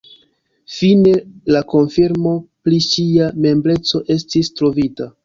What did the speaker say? Fine la konfirmo pri ŝia membreco estis trovita.